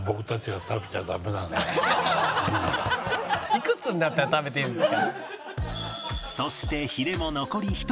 いくつになったら食べていいんですか？